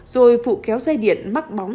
rồi phụ kéo dây điện mắc bóng